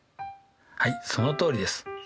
はいそのとおりです。